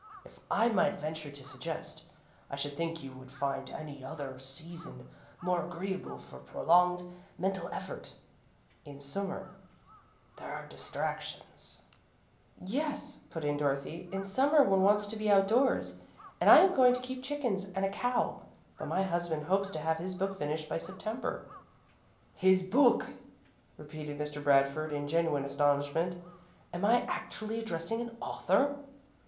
If I might venture to suggest, I should think you would find any other season more agreeable for prolonged mental effort. In Summer there are distractions " "Yes," put in Dorothy, "in Summer, one wants to be outdoors, and I am going to keep chickens and a cow, but my husband hopes to have his book finished by September." "His book!" repeated Mr. Bradford, in genuine astonishment. "Am I actually addressing an author?"